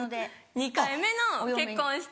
２回目の結婚して。